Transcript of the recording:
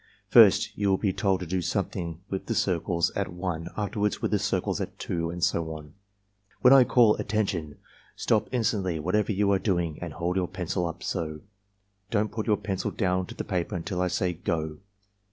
First you will be told to do something with the circles at 1, afterwards with the circles at 2, and so on. "When I call * Attention,' stop instantly whatever you are doing and hold your pencil up — so. Don't put your pencil down to the paper until I say 'Go.'